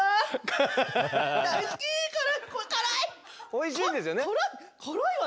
おいしいんですよね？